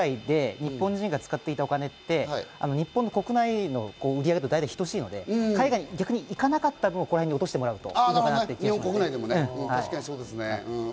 海外で日本人が使っていたお金って日本国内の売り上げと大体等しいので、海外に行かなかった分、ここら辺に落としてもらうと。